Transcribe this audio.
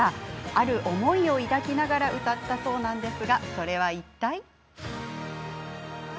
ある思いを抱きながら歌ったそうなんですがそれはいったい。